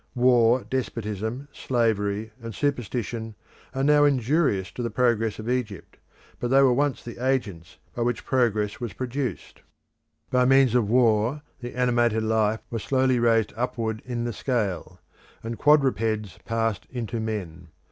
War, despotism, slavery, and superstition are now injurious to the progress of Europe, but they were once the agents by which progress was produced. By means of war the animated life was slowly raised upward in the scale, and quadrupeds passed into man.